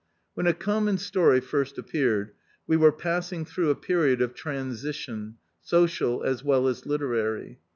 ..." When A Common Story first appeared, we were passing through a period of transition, social as well as literary.